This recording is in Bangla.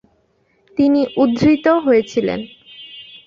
তিনি উদ্ধৃত হয়েছিলেন।